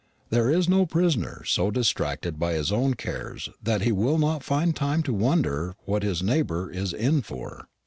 There is no prisoner so distracted by his own cares that he will not find time to wonder what his neighbour is "in for."